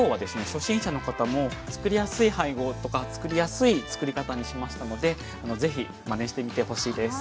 初心者の方も作りやすい配合とか作りやすい作り方にしましたのでぜひマネしてみてほしいです。